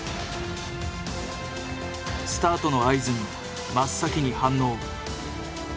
スタートの合図に真っ先に反応。